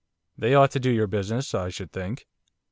'They ought to do your business, I should think.